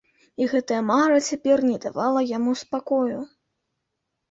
І гэтая мара цяпер не давала яму спакою.